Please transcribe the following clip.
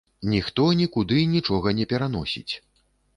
Ніхто нікуды нічога не пераносіць.